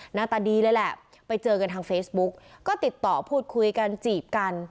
หน้าตาดีเลยแหละไปเจอกันทางเฟซบุ๊กก็ติดต่อพูดคุยกันจีบกัน